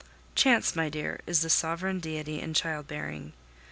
Chance, my dear, is the sovereign deity in child bearing.